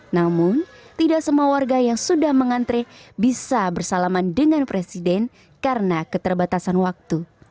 namun tidak semua warga yang sudah mengantre bisa bersalaman dengan presiden karena keterbatasan waktu